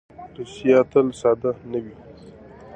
ریښتیا تل ساده نه وي.